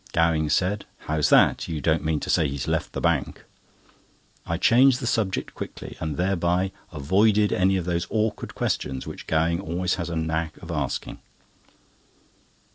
Gowing said: "How's that? You don't mean to say he's left the Bank?" I changed the subject quickly, and thereby avoided any of those awkward questions which Gowing always has a knack of asking.